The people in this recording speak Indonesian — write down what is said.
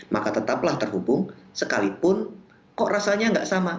maka tetaplah terhubung sekalipun kok rasanya nggak sama